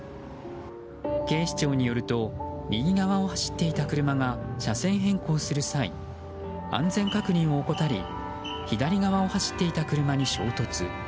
警視庁によると右側を走っていた車が車線変更する際安全確認を怠り左側を走っていた車に衝突。